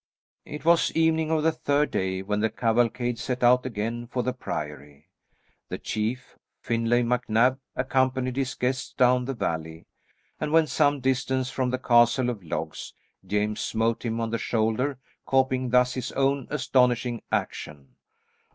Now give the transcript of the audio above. It was evening of the third day when the cavalcade set out again for the Priory; the chief, Finlay MacNab, accompanied his guests down the valley, and when some distance from the castle of logs, James smote him on the shoulder, copying thus his own astonishing action.